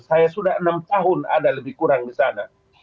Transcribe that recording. saya sudah enam tahun ada lebih kurang disana